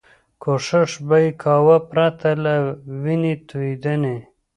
کوښښ به یې کاوه پرته له وینې توېدنې.